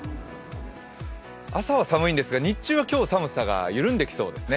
朝は寒いんですが、日中は今日、寒さが緩んでいきそうですね。